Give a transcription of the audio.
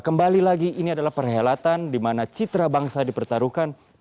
kembali lagi ini adalah perhelatan dimana citra bangsa dipertaruhkan